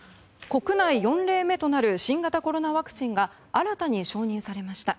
国内４例目となる新型コロナワクチンが新たに承認されました。